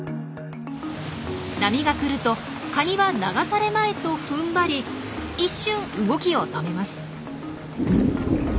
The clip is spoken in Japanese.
波が来るとカニは流されまいとふんばり一瞬動きを止めます。